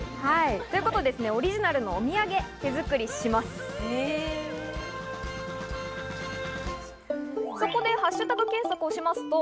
というわけでオリジナルのお土産、手作りします。